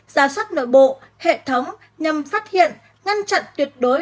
ra soát nội bộ hệ thống nhằm phát hiện ngăn chặn tuyệt đối